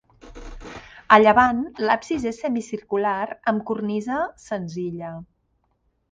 A llevant, l'absis és semicircular amb cornisa senzilla.